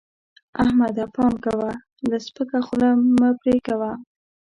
احمده! پام کوه؛ له سپکه خوله مه پرې کوه.